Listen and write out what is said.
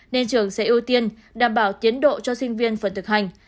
nên trường sẽ ưu tiên đảm bảo tiến độ cho sinh viên phần thực hành